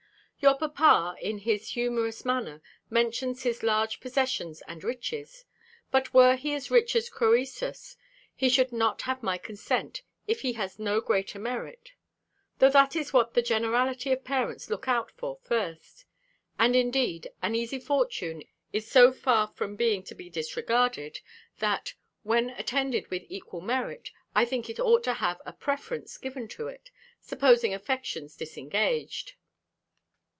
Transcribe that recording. Your papa, in his humourous manner, mentions his large possessions and riches; but were he as rich as Croesus, he should not have my consent, if he has no greater merit; though that is what the generality of parents look out for first; and indeed an easy fortune is so far from being to be disregarded, that, when attended with equal merit, I think it ought to have a preference given to it, supposing affections disengaged.